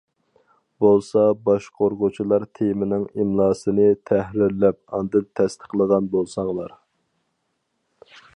بولسا باشقۇرغۇچىلار تېمىنىڭ ئىملاسىنى تەھرىرلەپ ئاندىن تەستىقلىغان بولساڭلار.